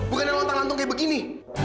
bukan ada orang tangan tangan kayak begini